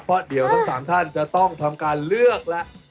เพราะเดี๋ยวทั้ง๓ท่านจะต้องทำการเลือกแล้ว